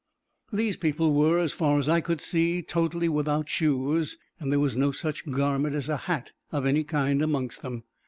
These people were, as far as I could see, totally without shoes, and there was no such garment as a hat of any kind amongst them.